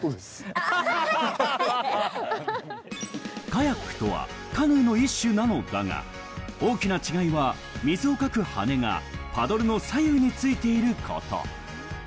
カヤックとはカヌーの一種なのだが、大きな違いは水をかく羽がパドルの左右についていること。